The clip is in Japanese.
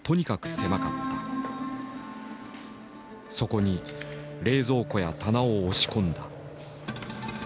そこに冷蔵庫や棚を押し込んだ。